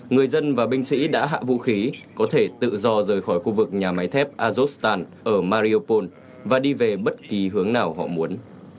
người dân và binh sĩ đã hạ vũ khí có thể tự do rời khỏi khu vực nhà máy thép azostan ở mariopol và đi về bất kỳ hướng nào họ muốn